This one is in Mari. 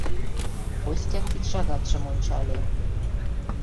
— Костя кидшагатшым ончале.